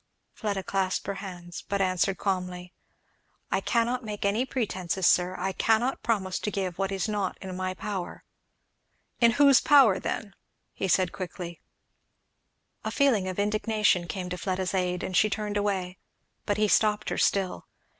Fleda clasped her hands, but answered calmly, "I cannot make any pretences, sir; I cannot promise to give what is not in my power." "In whose power then?" said he quickly. A feeling of indignation came to Fleda's aid, and she turned away. But he stopped her still.